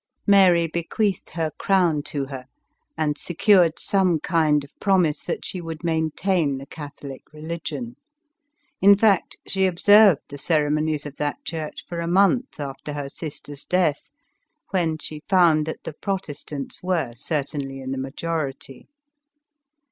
Mary bequeathed her crown to her, and secured some kind of promise that she would maintain the Catholic religion; in fact, she observed the ceremonies of that church for a month after her sister's death, when she found that the Protestants were certainly in the majority.